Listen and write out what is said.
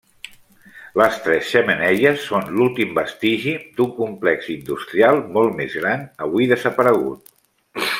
Les Tres Xemeneies són l'últim vestigi d'un complex industrial molt més gran avui desaparegut.